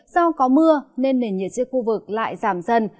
do có mưa nên nền nhiệt trên khu vực lại giảm dần